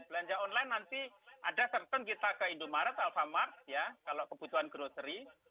belanja online nanti ada cercon kita ke indomaret alfamart ya kalau kebutuhan grocery